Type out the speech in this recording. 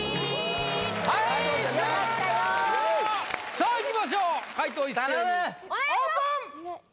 さあいきましょう解答一斉にオープン！